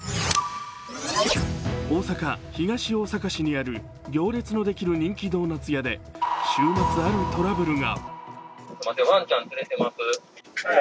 大阪・東大阪市にある行列のできる人気ドーナツ屋で週末、あるトラブルが。